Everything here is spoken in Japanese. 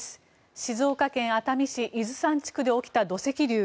静岡県熱海市伊豆山地区で起きた土石流。